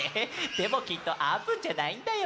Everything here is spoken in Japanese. でもきっとあーぷんじゃないんだよ。